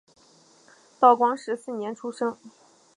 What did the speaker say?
道光十四年出生。